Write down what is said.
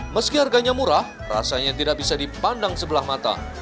meski harganya murah rasanya tidak bisa dipandang sebelah mata